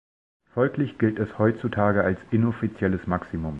Folglich gilt es heutzutage als inoffizielles Maximum.